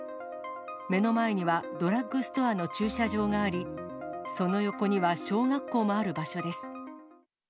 目の前にはドラッグストアの駐車場があり、その横には小学校もある場所です。